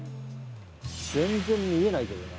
全然見えないけどな。